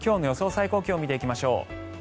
最高気温見ていきましょう。